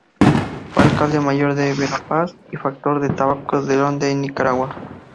Fue Alcalde Mayor de Verapaz y Factor de Tabacos de León de Nicaragua.